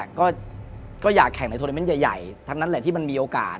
ก็อยากแข่งในโทรเมนต์ใหญ่ทั้งนั้นแหละที่มันมีโอกาส